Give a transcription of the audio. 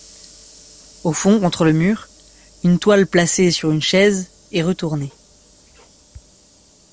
Au fond contre le mur, une toile placée sur une chaise et retournée.